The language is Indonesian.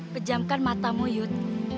pejamkan mata mu yud